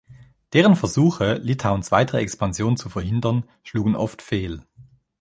Deren Versuche, Litauens weitere Expansion zu verhindern, schlugen oft fehl.